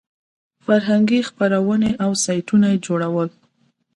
فرهنګي خپرونې او سایټونه جوړول.